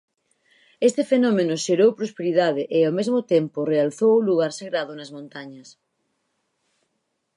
Este fenómeno xerou prosperidade e, ao mesmo tempo, realzou o lugar sagrado nas montañas.